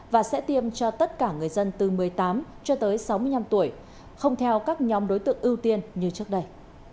và sẽ tiêm cho tất cả người dân từ một mươi tám cho tới sáu mươi năm tuổi không theo các nhóm đối tượng ưu tiên như trước đây